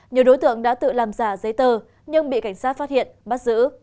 nhiều đối tượng đã tự làm giả giấy tờ nhưng bị cảnh sát phát hiện bắt giữ